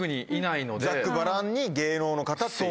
ざっくばらんに芸能の方っていう。